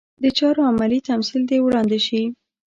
د چارو عملي تمثیل دې وړاندې شي.